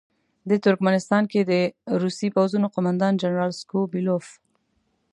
د ترکمنستان کې د روسي پوځونو قوماندان جنرال سکو بیلوف.